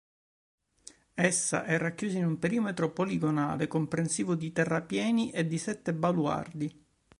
Essa è racchiusa in un perimetro poligonale, comprensivo di terrapieni e di sette baluardi.